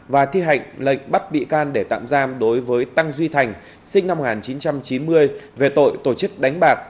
và thi hành lệnh bắt bị can để tạm giam đối với tăng duy thành sinh năm một nghìn chín trăm chín mươi về tội tổ chức đánh bạc